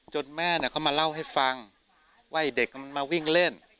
แม่เขามาเล่าให้ฟังว่าไอ้เด็กมันมาวิ่งเล่น